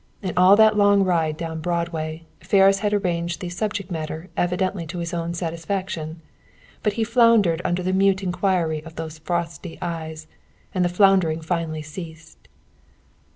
In all that long ride down Broadway, Ferris had arranged the "subject matter" evidently to his own satisfaction. But he floundered under the mute inquiry of those frosty eyes, and the floundering finally ceased.